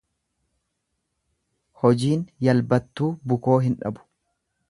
Hojiin yalbattuu bukoo hin dhabu.